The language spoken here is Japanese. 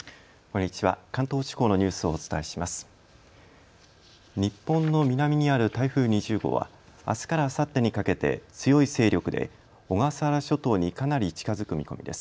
日本の南にある台風２０号はあすからあさってにかけて強い勢力で小笠原諸島にかなり近づく見込みです。